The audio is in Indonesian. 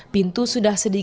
pintu sudah sedih